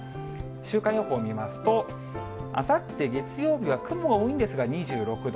週間予報見ますと、あさって月曜日は、雲が多いんですが２６度。